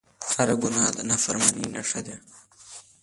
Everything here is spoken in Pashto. هر ګناه د نافرمانۍ نښه ده